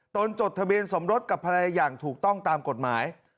ตดทะเบียนสมรสกับภรรยาอย่างถูกต้องตามกฎหมาย